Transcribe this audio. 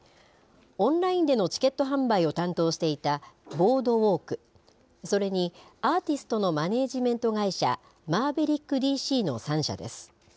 オンラインでのチケット販売を担当していたボードウォーク、それにアーティストのマネージメント会社、マーヴェリック・ディー・シーの３社です。